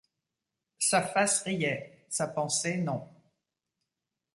Sa face riait, sa pensée non.